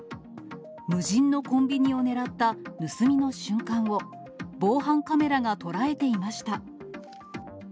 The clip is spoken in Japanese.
無人のコンビニを狙った盗みの瞬間を、防犯カメラが捉えていました。